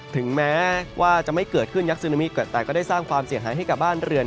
ถึงแม้ว่าจะไม่เกิดขึ้นยักษ์ซึนามิแต่ก็ได้สร้างความเสียหายให้กับบ้านเรือน